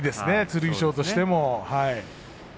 剣翔としても。